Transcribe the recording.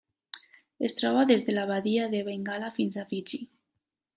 Es troba des de la Badia de Bengala fins a Fiji.